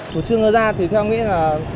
chủ trương ngơ ra thì theo tôi nghĩ là